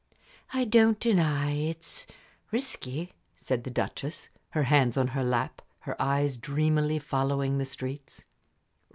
"I don't deny it's risky," said the Duchess, her hands on her lap, her eyes dreamily following the streets.